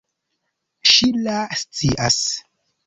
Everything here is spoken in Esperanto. Ŝila scias.